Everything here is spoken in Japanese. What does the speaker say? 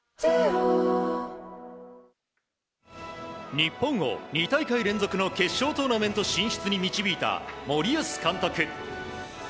日本を２大会連続の決勝トーナメント進出に導いた森保監督。